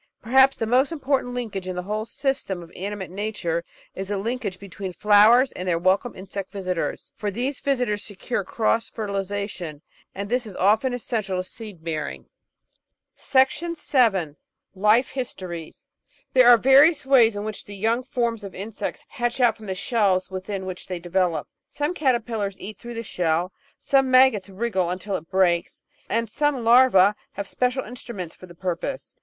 Perhaps the most important linkage in the whole system of animate nature is the linkage between flowers and their welcome insect visitors. For these visitors secure cross fertilisa tion, and this is often essential to seed bearing. Life histories There are various ways in which the young forms of Insects hatch out from the shells within which they develop. Some caterpillars eat through the shell; some maggots wriggle imtil it breaks; and some larvae have special instruments for the purpose.